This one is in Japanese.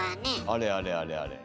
あれあれあれあれ。